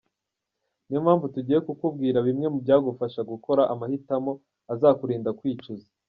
Niyo mpamvu tugiye kukubwira bimwe mu byagufasha gukora amahitamo azakurinda kwicuza :